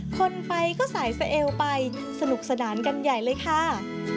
คนไปก็สายสเอลไปสนุกสนานกันใหญ่เลยค่ะ